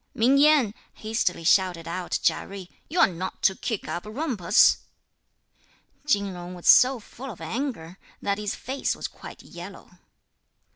"Ming Yen," hastily shouted out Chia Jui, "you're not to kick up a rumpus." Chin Jung was so full of anger that his face was quite yellow.